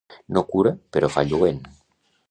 No cura, però fa lluent.